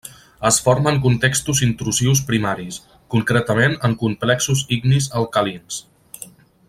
Es forma en contextos intrusius primaris, concretament en complexos ignis alcalins.